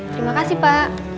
terima kasih pak